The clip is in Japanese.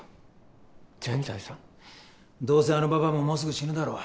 どうせあのばばあももうすぐ死ぬだろ。